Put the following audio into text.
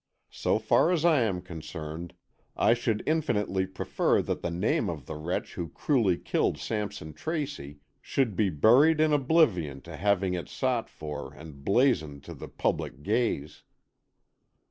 So far as I am concerned, I should infinitely prefer that the name of the wretch who cruelly killed Sampson Tracy should be buried in oblivion to having it sought for and blazoned to the public gaze."